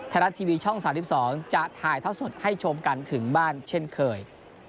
ไทยรัฐทีวีช่อง๓๒จะถ่ายเท่าสดให้ชมกันถึงบ้านเช่นเคย